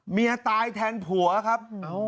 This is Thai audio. เมียตายแทนผัวครับ